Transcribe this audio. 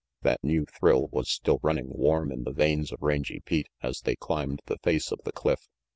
That new thrill was still running warm in the veins of Rangy Pete as they climbed the face of the cliff.